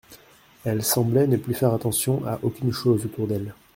Elle semblait ne plus faire attention à aucune chose autour d'elle.